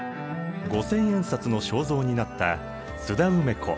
五千円札の肖像になった津田梅子。